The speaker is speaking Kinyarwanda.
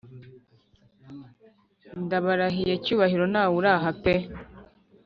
ndabarahiye cyubahiro ntawuraha pe